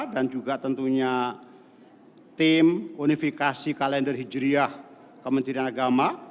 dan juga tentunya tim unifikasi kalender hijriyah kementerian agama